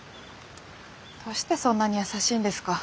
どうしてそんなに優しいんですか？